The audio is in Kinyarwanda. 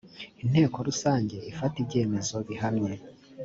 inteko rusange ifata ibyemezo bihamye